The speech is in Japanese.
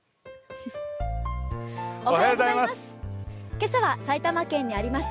今朝は埼玉県にあります